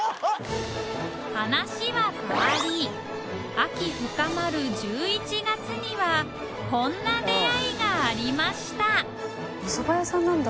話は変わり秋深まる１１月にはこんな出あいがありましたおそば屋さんなんだ。